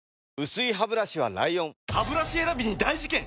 薄いハブラシは ＬＩＯＮハブラシ選びに大事件！